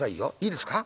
いいですか？